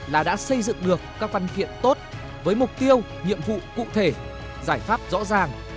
là đã xây dựng được các văn kiện tốt với mục tiêu nhiệm vụ cụ thể giải pháp rõ ràng